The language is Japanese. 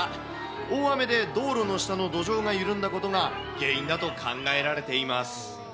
大雨で道路の下の土壌が緩んだことが原因だと考えられています。